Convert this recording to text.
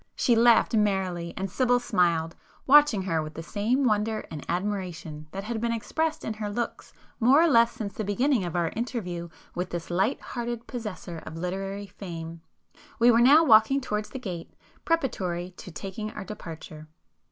She laughed merrily, and Sibyl smiled, watching her with the same wonder and admiration that had been expressed in her looks more or less since the beginning of our interview with this light hearted possessor of literary fame. We were now walking towards the gate, preparatory to taking our departure.